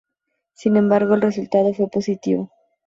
Sin embargo el resultado fue positivo.